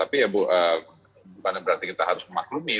tapi ya bu bukan berarti kita harus memaklumi